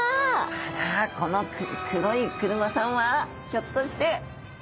あらこの黒い車さんはひょっとして！